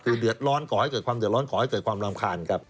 คือเดือดร้อนก่อให้เกิดความเดือดร้อนขอให้เกิดความรำคาญครับ